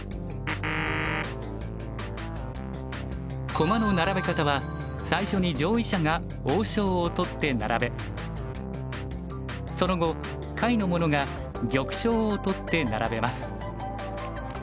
駒の並べ方は最初に上位者が王将を取って並べその後下位の者が玉将を取って並べます。